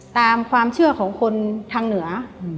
ตามความเชื่อของคนทางเหนือ